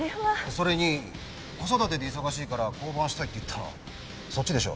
それに子育てで忙しいから降板したいって言ったのはそっちでしょ。